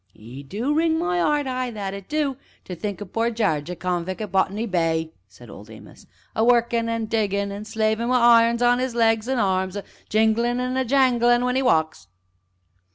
"It do wring my 'eart ah, that it do! to think o' pore Jarge a convic' at Bot'ny Bay!" said Old Amos, "a workin', an' diggin', an' slavin' wi' irons on 'is legs an' arms, a jinglin', an' a janglin' when 'e walks."